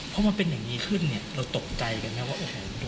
เพราะมันเป็นอย่างนี้ขึ้นเนี่ยเราตกใจกันนะว่าโอ้โห